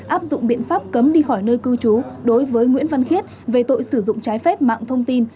áp dụng biện pháp cấm đi khỏi nơi cư trú đối với nguyễn văn khiết về tội sử dụng trái phép mạng thông tin